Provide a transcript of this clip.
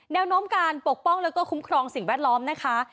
แนวโน้มการปกป้องแล้วก็คุ้มครองสิ่งแวดล้อมนะคะ